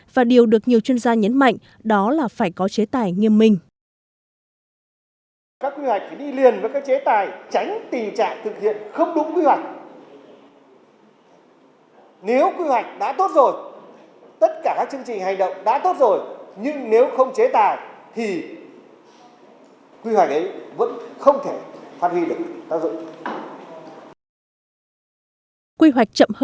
và điều được nhiều chuyên gia nhấn mạnh đó là phải có chế tài nghiêm minh